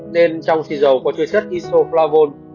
nên trong xì dầu có chứa chất isoflavone